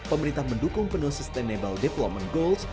pemerintah mendukung penuh sustainable development goals